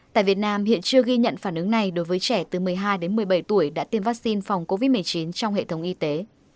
tại việt nam hiện chưa ghi nhận phản ứng này đối với trẻ từ một mươi hai đến một mươi bảy tuổi đã tiêm vaccine phòng covid một mươi chín trong hệ thống y tế